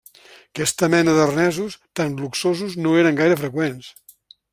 Aquesta mena d'arnesos, tan luxosos, no eren gaire freqüents.